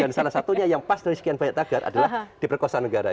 dan salah satunya yang pas dari sekian banyak tagar adalah di perkosa negara ini